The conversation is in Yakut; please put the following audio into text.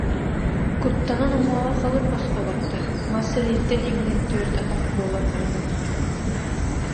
Куттанан уҥуоҕа халыр босхо барда, мас силиһиттэн иҥнэн түөрт атах буолан ылла